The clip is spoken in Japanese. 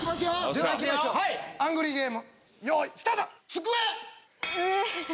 ではいきましょうアングリーゲームスタート！